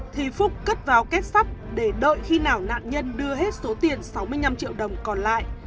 thì phúc cất vào kết sắp để đợi khi nào nạn nhân đưa hết số tiền sáu mươi năm triệu đồng còn lại